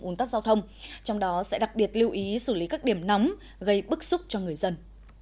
ủn tắc giao thông trong đó sẽ đặc biệt lưu ý xử lý các điểm nóng gây bức xúc cho người dân